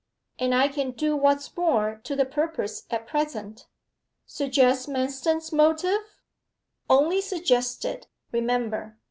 'And I can do what's more to the purpose at present.' 'Suggest Manston's motive?' 'Only suggest it, remember.